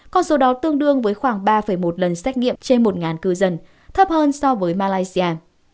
con số đó tương đương với khoảng ba một lần xét nghiệm trên một cư dân thấp hơn so với malaysia